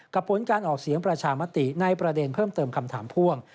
ผลการออกเสียงประชามติในประเด็นเพิ่มเติมคำถามพ่วง